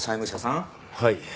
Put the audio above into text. はい。